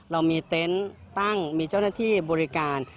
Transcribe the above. เรามีเต็นต์ตั้งมีเจ้าหน้าที่บริการ